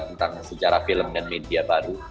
tentang sejarah film dan media baru